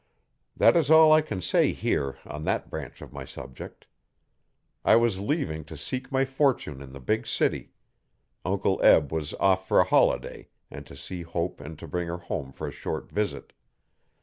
That is all I can say here on that branch of my subject. I was leaving to seek my fortune in the big city; Uncle Eb was off for a holiday and to see Hope and bring her home for a short visit.